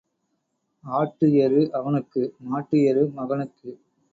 ஆட்டு எரு அவனுக்கு மாட்டு எரு மகனுக்கு.